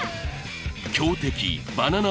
強敵バナナ